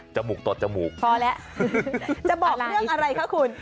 ยังไงคะพอแล้วจะบอกเรื่องอะไรคะคุณ